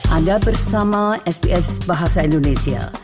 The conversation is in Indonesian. anda bersama sbs bahasa indonesia